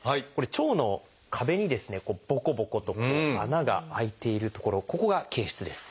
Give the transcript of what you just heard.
腸の壁にですねボコボコと穴が開いている所ここが憩室です。